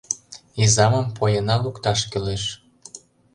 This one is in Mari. Изамым поена лукташ кӱлеш».